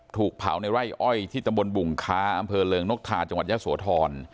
ถูกเผาในไร่อ้อยที่ตำบลบุงค้าอำเภอเริงนกทาจังหวัดยะโสธร